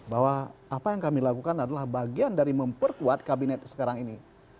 bahwa apa yang kami lakukan adalah bagian dari memperkuat kabinet sekarang ini